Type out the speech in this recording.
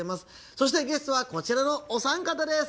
そして、ゲストはこちらのお三方です。